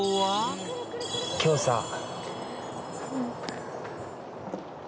今日さ。